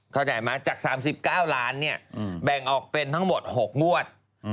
เข้าใจไหมจาก๓๙ล้านเนี่ยแบ่งออกเป็นทั้งหมด๖งวด